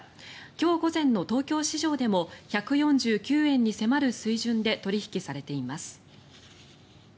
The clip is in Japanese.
今日午前の東京市場でも１４９円に迫る水準で取引されています。